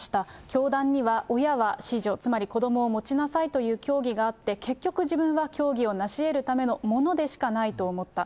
教団には親は子女、つまり子どもを持ちなさいという教義があって、結局自分は教義をなしえるためのものでしかないと思った。